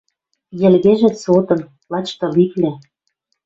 Йӹлгӹжӹт сотын, лач тылиплӓ.